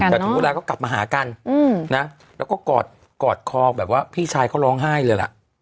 แต่ถึงเวลาเขากลับมาหากันนะแล้วก็กอดคอแบบว่าพี่ชายเขาร้องไห้เลยล่ะ